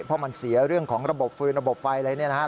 เพราะมันเสียเรื่องของระบบฟืนระบบไฟอะไรเนี่ยนะฮะ